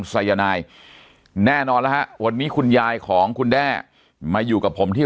สายนายแน่นอนแล้วฮะวันนี้คุณยายของคุณแด้มาอยู่กับผมที่